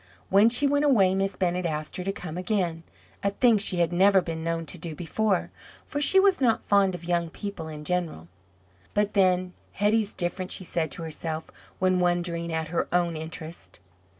When she went away Miss Bennett asked her to come again, a thing she had never been known to do before, for she was not fond of young people in general. "But, then, Hetty's different," she said to herself, when wondering at her own interest.